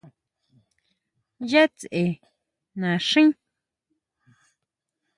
¿Ya tsʼe naxín?